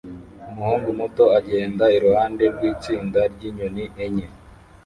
Umuhungu muto agenda iruhande rwitsinda ryinyoni enye